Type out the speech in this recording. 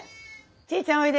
チーちゃんおいで。